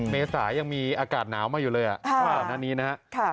เมษายังมีอากาศหนาวมาอยู่เลยอ่ะ